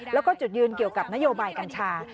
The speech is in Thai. แล้วก็จุดยืนเกี่ยวกับนโยบายกัญชา